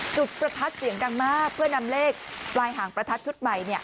จุดประทัดเสียงดังมากเพื่อนำเลขปลายหางประทัดชุดใหม่